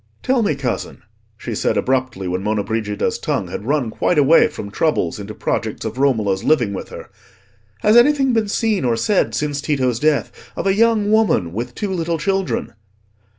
"Tell me, cousin," she said abruptly, when Monna Brigida's tongue had run quite away from troubles into projects of Romola's living with her, "has anything been seen or said since Tito's death of a young woman with two little children?"